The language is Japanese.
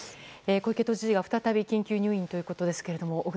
小池都知事が再び緊急入院ということですが。